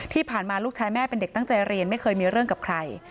ที่ผ่านมาลูกชายแม่เป็นเด็กตั้งใจเรียนไม่เคยมีเรื่องกับใคร